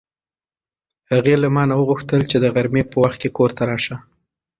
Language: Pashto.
هغې له ما نه وغوښتل چې د غرمې په وخت کې کور ته راشه.